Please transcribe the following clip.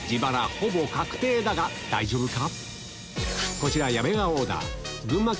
ほぼ確定だが大丈夫か？